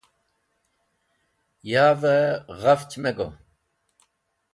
Yavẽ gach me go.